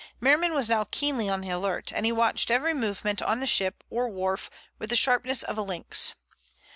Merriman was now keenly on the alert, and he watched every movement on the ship or wharf with the sharpness of a lynx.